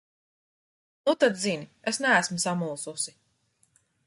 Nu tad zini: es neesmu samulsusi.